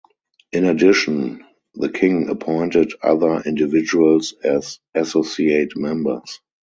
In addition the King appointed other individuals as associate members.